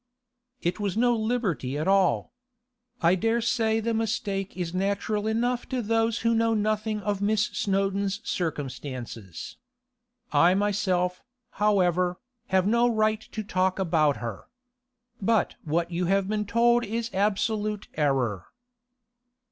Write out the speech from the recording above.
'It was no liberty at all. I dare say the mistake is natural enough to those who know nothing of Miss Snowdon's circumstances. I myself, however, have no right to talk about her. But what you have been told is absolute error.